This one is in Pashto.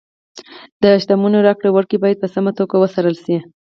د شتمنیو راکړې ورکړې باید په سمه توګه وڅارل شي.